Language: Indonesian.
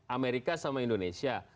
amerika sama indonesia